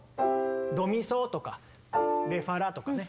ドミソとかレファラとかね。